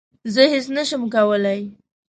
زه هیڅ نه شم کولای